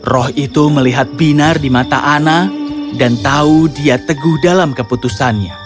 roh itu melihat binar di mata ana dan tahu dia teguh dalam keputusannya